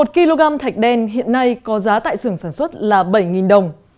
một kg thạch đen hiện nay có giá tại xưởng sản xuất là bảy đồng